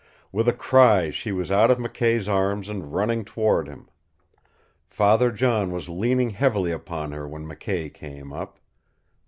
With a cry she was out of McKay's arms and running toward him. Father John was leaning heavily upon her when McKay came up.